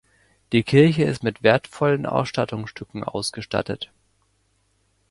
Die Kirche ist mit wertvollen Ausstattungsstücken ausgestattet.